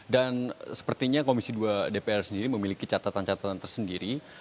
dan sepertinya komisi dua dpr sendiri memiliki catatan catatan tersendiri